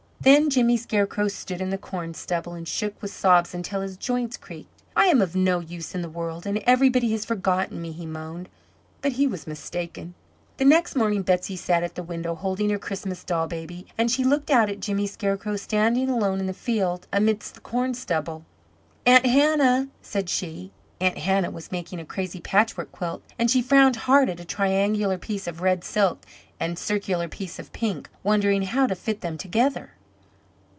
Then Jimmy Scarecrow stood in the corn stubble and shook with sobs until his joints creaked. "I am of no use in the world, and everybody has forgotten me," he moaned. But he was mistaken. The next morning Betsey sat at the window holding her Christmas doll baby, and she looked out at Jimmy Scarecrow standing alone in the field amidst the corn stubble. "Aunt Hannah?" said she. Aunt Hannah was making a crazy patchwork quilt, and she frowned hard at a triangular piece of red silk and circular piece of pink, wondering how to fit them together.